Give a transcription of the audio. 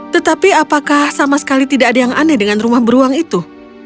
tetapi apakah sama sekali tidak ada yang aneh dengan rumah beruang itu